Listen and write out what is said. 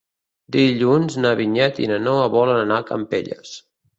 Dilluns na Vinyet i na Noa volen anar a Campelles.